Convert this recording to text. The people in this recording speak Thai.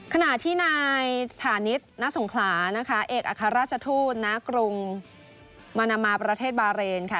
ขณะที่นายฐานิศณสงขลานะคะเอกอัครราชทูตณกรุงมานามาประเทศบาเรนค่ะ